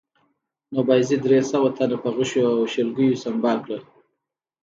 نو بایزید درې سوه تنه په غشو او شلګیو سنبال کړل